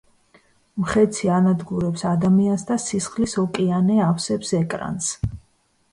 მხეცი ანადგურებს ადამიანს და სისხლის ოკეანე ავსებს ეკრანს.